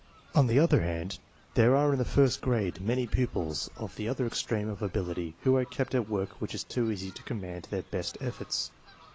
On the other hand, there are in the first grade many pupils of the other extreme of ability who are kept at work which is too easy to command their best efforts.